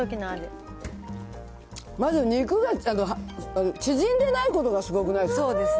まず肉が縮んでないことがすごくない？